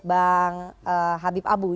bapak habib abu